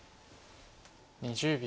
２０秒。